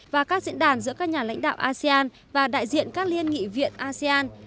và các diễn đàn giữa các nhà lãnh đạo asean và đại diện các liên nghị viện asean